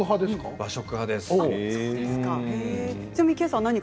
和食派ですか？